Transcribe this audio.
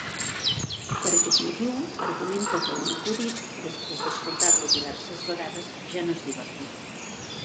Per aquest motiu, argumenta que un acudit, després d'escoltar-lo diverses vegades, ja no és divertit.